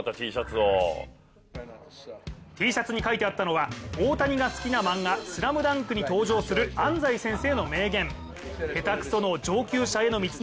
Ｔシャツに書いてあったのは大谷が好きな漫画「ＳＬＡＭＤＵＮＫ」に登場する安西先生の名言。